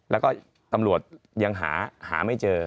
แล้วก็ตำรวจยังหาไม่เจอ